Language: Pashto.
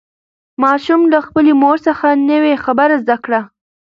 ماشوم له خپلې مور څخه نوې خبره زده کړه